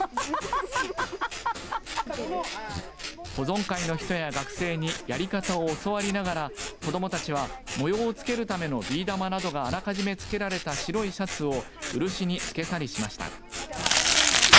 保存会の人や学生にやり方を教わりながら子どもたちは模様をつけるためのビー玉などがあらかじめつけられた白いシャツを漆につけたりしました。